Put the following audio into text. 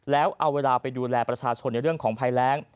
แล้วเอาเวลาไปดูแลประชาชนในเรื่องของภัยแรง